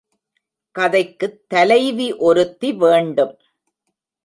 கதைக்குத் தலைவி ஒருத்தி வேண்டும்.